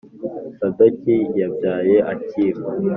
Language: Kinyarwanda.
Sadoki yabyaye Akimu